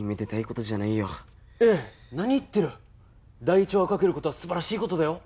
第１話を書けることはすばらしいことだよ。